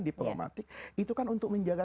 diplomatik itu kan untuk menjaga